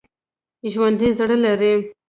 ژوندي زړه لري